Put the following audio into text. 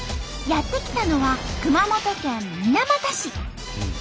やって来たのは熊本県水俣市。